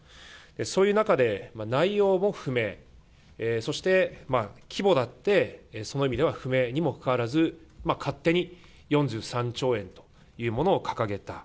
そういう中で、内容も不明、そして規模だって、その意味では不明にもかかわらず、勝手に４３兆円というものを掲げた。